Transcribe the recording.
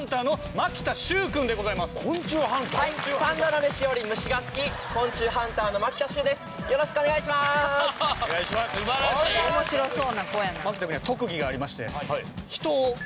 牧田君には特技がありまして。